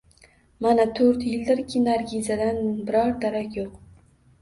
Mana to`rt yildirki, Nargizadan biror darak yo`q